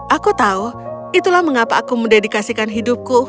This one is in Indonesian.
aku tahu itulah mengapa aku mendedikasikan hidupku